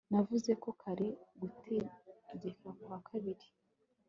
navuzeho kare, gutegeka kwa kabiri